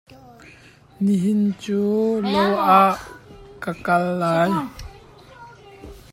Nihin cu lo ah ka kal lai.